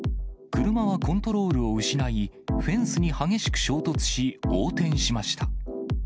車はコントロールを失い、フェンスに激しく衝突し、横転しました。